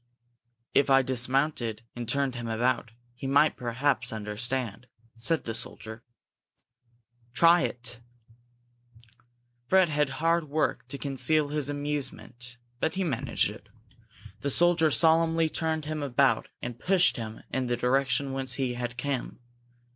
"If I dismounted and turned him about, he might perhaps understand," said the soldier. "Try it!" Fred had hard work to conceal his amusement but he managed it. The soldier solemnly turned him about and pushed him in the direction whence he had come.